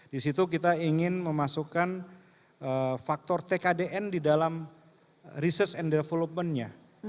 di situ kita ingin memasukkan faktor tkdn di dalam research and developmentnya